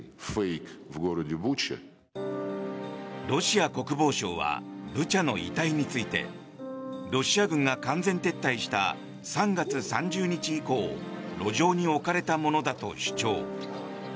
ロシア国防省はブチャの遺体についてロシア軍が完全撤退した３月３０日以降路上に置かれたものだと主張。